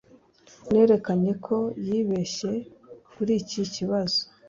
Nerekanye ko yibeshye kuri iki kibazo